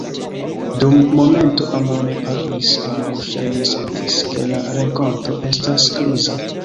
Dum momento ambaŭ ne parolis; ambaŭ ŝajne sentis, ke la renkonto estas kriza.